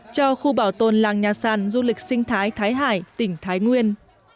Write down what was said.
cho khu bảo tồn làng nhà sàn du lịch sinh thái thái hải tỉnh thái nguyên